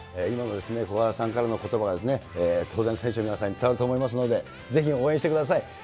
今の古賀さんからのことば、当然、選手の皆さんに伝わると思いますので、ぜひ応援してください。